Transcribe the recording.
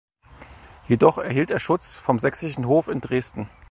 Jedoch erhielt er Schutz vom sächsischen Hof in Dresden.